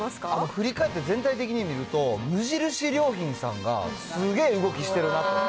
振り返って全体的に見ると、無印良品さんがすげー動きしてるなと。